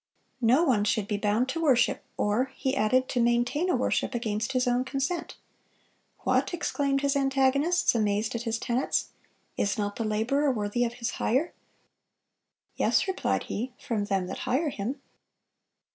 'No one should be bound to worship, or,' he added, 'to maintain a worship, against his own consent.' 'What!' exclaimed his antagonists, amazed at his tenets, 'is not the laborer worthy of his hire?' 'Yes,' replied he, 'from them that hire him.